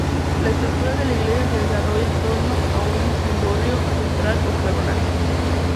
La estructura de la iglesia se desarrolla en torno a un cimborrio central octogonal.